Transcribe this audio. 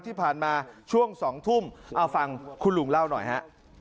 ที่ผ่านมาช่วง๒ทุ่มเอาฟังคุณลุงเล่าหน่อยฮะ